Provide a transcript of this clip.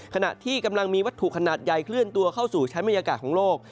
ขณะที่กำลังมีวัตถุขนาดใหญ่เคลื่อนตัวเข้าสู่ชั้นบรรยากาศของโลก